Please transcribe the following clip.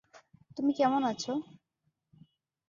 তুমি কেমন আছ?